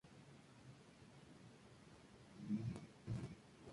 Se consolidaba el Ángel Parra Trío.